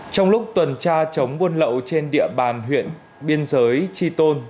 trong lúc tuần tra chống buôn lậu trên địa bàn huyện biên giới tri tôn